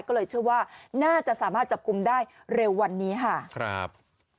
ก็เลยเชื่อว่าน่าจะสามารถจับกลุ่มได้เร็ววันนี้ค่ะครับ